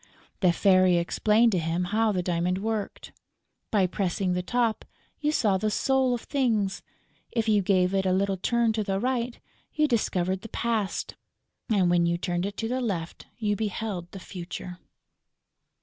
The Fairy explained to him how the diamond worked. By pressing the top, you saw the soul of Things; if you gave it a little turn to the right, you discovered the Past; and, when you turned it to the left, you beheld the Future.